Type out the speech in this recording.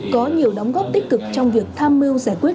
có nhiều đóng góp tích cực trong việc tham mưu giải quyết